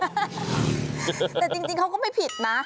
แต่จริงเขาก็ไม่ผิดนะ